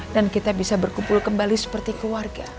dan kita bisa berkumpul kembali seperti keluarga